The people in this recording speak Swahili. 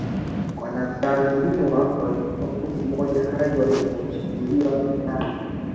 Wanadhaniwa walikuwa kundi moja hadi waliposhambuliwa vikali